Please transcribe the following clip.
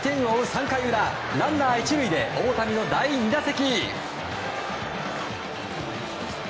３回裏ランナー１塁で大谷の第２打席。